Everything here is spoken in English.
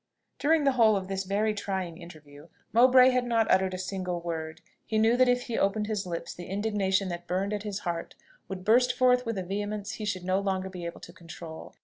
During the whole of this very trying interview Mowbray had not uttered a single word. He knew that if he opened his lips, the indignation that burned at his heart would burst forth with a vehemence he should no longer be able to control.